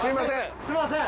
すいません。